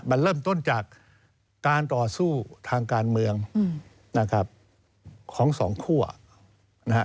มันเริ่มต้นจากการต่อสู้ทางการเมืองนะครับของสองคั่วนะฮะ